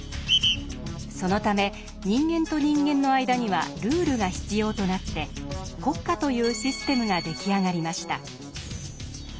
そのため人間と人間の間にはルールが必要となって国家というシステムが出来上がりました。